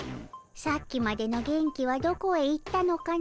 さっきまでの元気はどこへいったのかのムダオ。